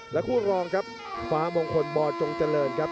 และคู่รองครับฟ้ามงคลบจงเจริญครับ